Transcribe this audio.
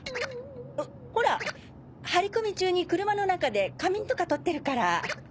ほほら張り込み中に車の中で仮眠とか取ってるから。